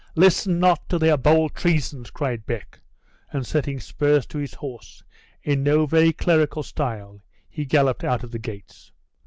"Listen not to their bold treasons!" cried Beck; and setting spurs to his horse, in no very clerical style he galloped out of the gates.